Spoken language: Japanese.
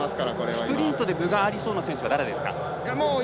スプリントで分がある選手は誰ですか？